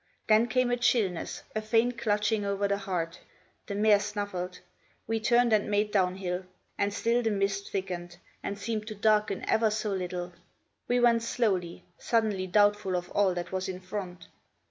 Then came a chillness, a faint clutching over the heart. The mare snuffled; we turned and made down hill. And still the mist thickened, and seemed to darken ever so little; we went slowly, suddenly doubtful of all that was in front.